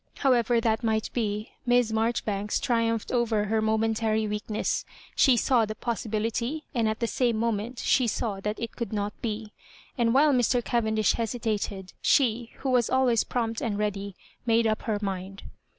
However that might be. Miss Maijoribanks triupnphed over her momentary weakness. She saw the poasilMlity, and at the same moment she saw that it could not be; and while Mr. Caven dish hesitated, she, who was always prompt and ready, made up her mind.